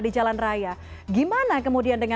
di jalan raya gimana kemudian dengan